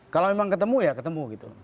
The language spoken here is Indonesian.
kalau memang ketemu ya ketemu gitu